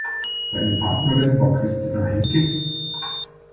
Seine Partnerin war Christina Henke.